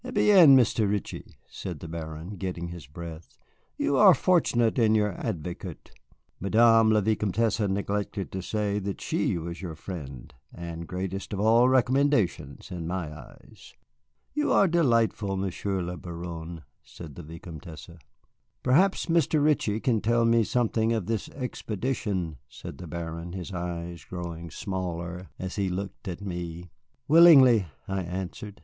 "Eh bien, Mr. Ritchie," said the Baron, getting his breath, "you are fortunate in your advocate. Madame la Vicomtesse neglected to say that she was your friend, the greatest of all recommendations in my eyes." "You are delightful, Monsieur le Baron," said the Vicomtesse. "Perhaps Mr. Ritchie can tell me something of this expedition," said the Baron, his eyes growing smaller as he looked at me. "Willingly," I answered.